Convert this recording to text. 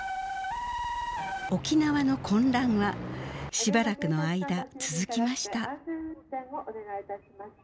沖縄の混乱はしばらくの間続きました。